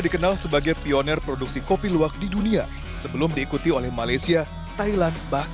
kepala kepala kopi luwak indonesia